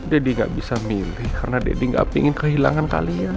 didi gak bisa milih karena didi gak pingin kehilangan kalian